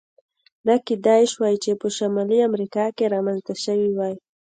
دا کېدای شوای چې په شمالي امریکا کې رامنځته شوی وای.